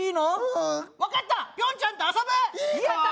うん分かったピョンちゃんと遊ぶいいの？